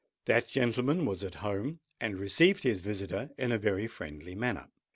That gentleman was at home, and received his visitor in a very friendly manner.